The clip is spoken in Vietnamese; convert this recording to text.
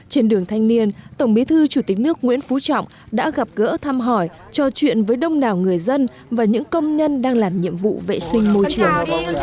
trên đường thanh niên tổng bí thư chủ tịch nước nguyễn phú trọng đã gặp gỡ thăm hỏi trò chuyện với đông đảo người dân và những công nhân đang làm nhiệm vụ vệ sinh môi trường